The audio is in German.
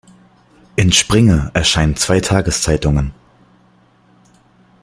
In Springe erscheinen zwei Tageszeitungen.